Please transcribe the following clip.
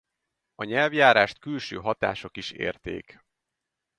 A nyelvjárást külső hatások is érték.